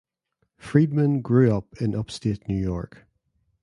Freedman grew up in Upstate New York.